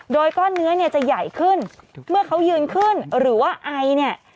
โดยก้อนเนื้อเนี่ยจะใหญ่ขึ้นเมื่อเขายืนขึ้นหรือว่าไอเนี่ย